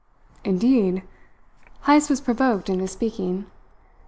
"Indeed!" Heyst was provoked into speaking.